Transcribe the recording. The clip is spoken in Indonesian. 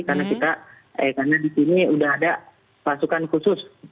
karena kita eh karena di sini sudah ada pasukan khusus